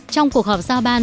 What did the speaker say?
trong cuộc họp giao ban